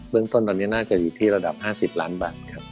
เรื่องต้นตอนนี้น่าจะอยู่ที่ระดับ๕๐ล้านบาทครับ